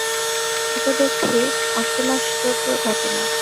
এ তো দেখছি অষ্টমাশ্চর্য ঘটনা!